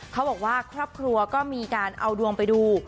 เขาบอกว่าครอบครัวก็มีการเอาดวงไปดู